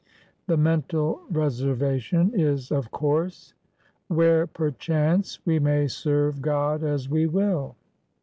The mental reservation is, of coiu se, "where perchance we may serve God as we will!